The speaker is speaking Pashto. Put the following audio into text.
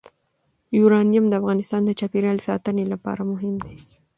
یورانیم د افغانستان د چاپیریال ساتنې لپاره مهم دي.